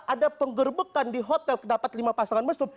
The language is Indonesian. ada penggerbekan di hotel dapat lima pasangan mesum